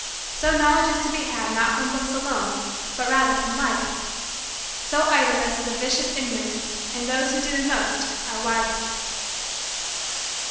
So Knowledge is to be had not from books alone but rather from Life. So idleness is a vicious ignorance and those who do the most are wisest.